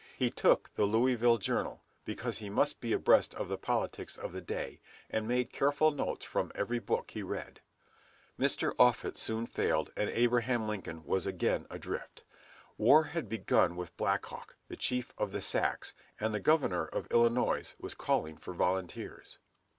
He took the "Louisville Journal," because he must be abreast of the politics of the day, and made careful notes from every book he read. Mr. Offutt soon failed, and Abraham Lincoln was again adrift. War had begun with Blackhawk, the chief of the Sacs, and the Governor of Illinois was calling for volunteers.